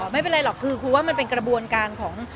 ไม่เป็นไรหรอกคือครูว่ามันเป็นกระบวนการของ